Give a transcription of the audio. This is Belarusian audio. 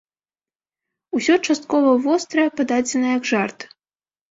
Усё часткова вострае пададзена як жарт.